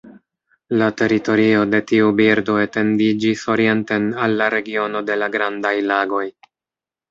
La teritorio de tiu birdo etendiĝis orienten al la regiono de la Grandaj Lagoj.